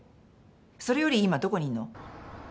それより今どこにいんの？